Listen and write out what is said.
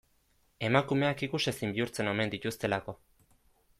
Emakumeak ikusezin bihurtzen omen dituztelako.